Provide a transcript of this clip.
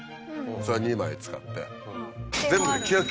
それ２枚使って。